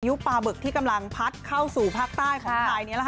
ประภาพอียุคปาบึกที่กำลังพัดเข้าสู่ภาคใต้ของไทย